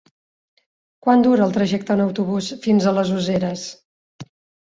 Quant dura el trajecte en autobús fins a les Useres?